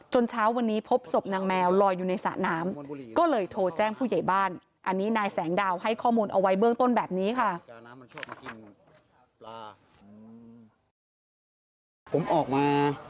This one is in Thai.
เช้าวันนี้พบศพนางแมวลอยอยู่ในสระน้ำก็เลยโทรแจ้งผู้ใหญ่บ้านอันนี้นายแสงดาวให้ข้อมูลเอาไว้เบื้องต้นแบบนี้ค่ะ